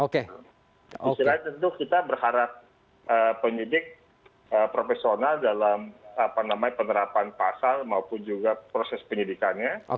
di sisi lain tentu kita berharap penyidik profesional dalam penerapan pasal maupun juga proses penyidikannya